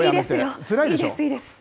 つらいでしょ。